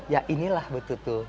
ya inilah betutu